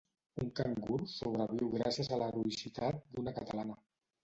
Un cangur sobreviu gràcies a l'heroïcitat d'una catalana